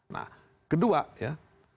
nah kedua ya